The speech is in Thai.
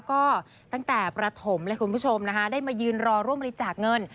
ก็ตั้งแต่ประถมเลยคุณผู้ชมนะคะได้มายืนรอร่วมบริจาคเงิน